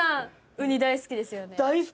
ウニ大好きですよね。